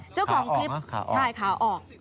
เจ้าของคลิปชายขาออก